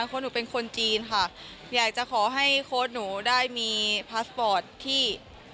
หนูเป็นคนจีนค่ะอยากจะขอให้โค้ดหนูได้มีพาสปอร์ตที่